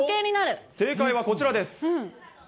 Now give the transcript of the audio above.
正解はこちらです。